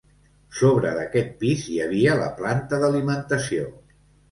Sobre d'aquest pis hi havia la planta d'alimentació.